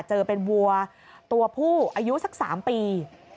เจอเป็นวัวตัวผู้อายุสัก๓ปี